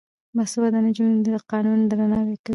باسواده نجونې د قانون درناوی کوي.